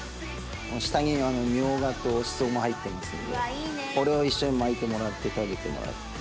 下にミョウガとシソも入ってますのでこれを一緒に巻いてもらって食べてもらって。